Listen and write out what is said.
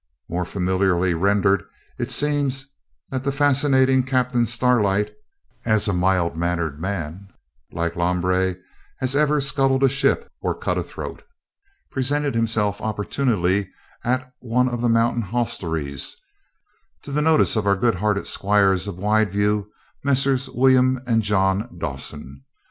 More familiarly rendered, it seems that the fascinating Captain Starlight "as mild a mannered man" (like Lambre) "as ever scuttled a ship or cut a throat," presented himself opportunely at one of the mountain hostelries, to the notice of our good hearted squires of Wideview, Messrs. William and John Dawson.